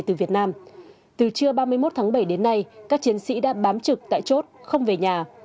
từ trưa ba mươi một tháng bảy đến nay các chiến sĩ đã bám trực tại chốt không về nhà